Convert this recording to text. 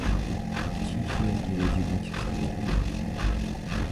Ціхія і ў адзіноце стаялі яны.